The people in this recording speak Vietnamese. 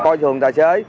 coi thường tài xế